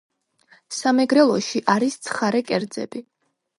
სამეგრელოში, არის ცხარე კერძები.